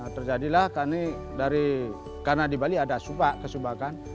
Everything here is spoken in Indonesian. terjadilah karena di bali ada kesumbangan